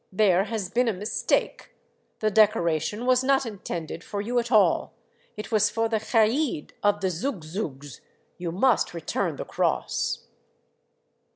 There has been a mistake. The decoration was not intended for you at all. It was for the kaid of the Zoug Zougs. You must return the cross.